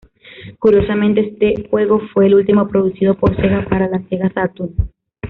Curiosamente, este juego fue el último producido por Sega para la Sega Saturn.